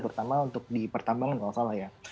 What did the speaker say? terutama untuk di pertambangan kalau salah ya